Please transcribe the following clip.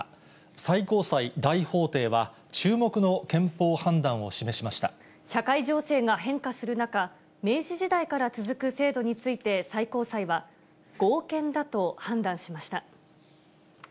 最高裁大法廷は注目の憲法判断を社会情勢が変化する中、明治時代から続く制度について、最高裁は、合憲だと判断しました。